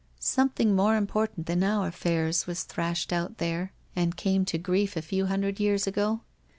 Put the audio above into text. Something more im portant than our affairs was thrashed out there and came to grief a few hundred years ago.